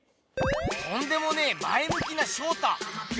とんでもねえ前むきなショウタ。